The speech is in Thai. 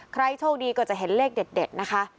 ใครโชคดีก็จะเห็นเลขเด็ดนะคะ